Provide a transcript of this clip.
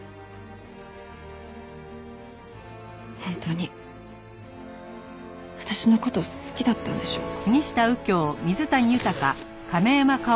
本当に私の事好きだったんでしょうか？